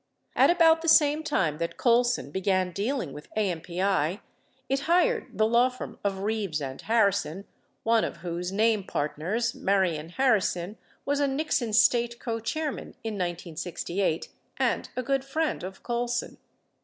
At about the same time that Colson began dealing with AMPI, it hired the law firm of Reeves and Harrison, one of whose name partners, Marion Harrison, was a Nixon State cochairman in 1968 and a good friend of Colson.